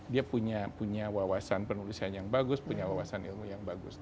dia punya wawasan penulisan yang bagus punya wawasan ilmu yang bagus